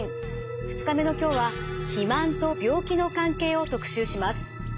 ２日目の今日は肥満と病気の関係を特集します。